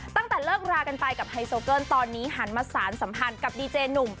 ตั้งแต่เลิกรากันไปตอนนี้หันมาสารสัมภัณฑ์กับดิเจหนุ่ม